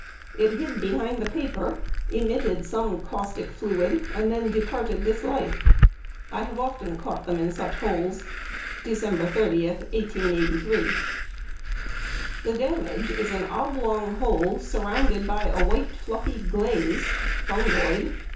It hid behind the paper, emitted some caustic fluid, and then departed this life. I have often caught them in such holes.' 30/12/83." The damage is an oblong hole, surrounded by a white fluffy glaze (fungoid?)